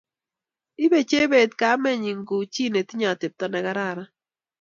Ibe Chebet kamenyi ku chi netinye atepto negararan